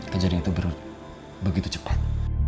kejadian itu begitu cepat